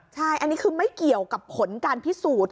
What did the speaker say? ใช่อันนี้คือไม่เกี่ยวกับผลการพิสูจน์